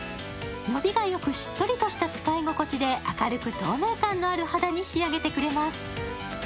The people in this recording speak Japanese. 伸びがよくしっとりとした使い心地で明るく透明感のある肌に仕上げてくれます。